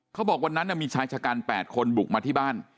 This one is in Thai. เขาบอกวันนั้นมีชายชะกัน๘คนบุกมาที่บ้าน